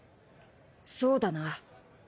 そうだな。